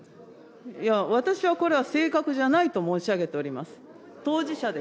いや、私はこれは正確じゃないと申し上げております。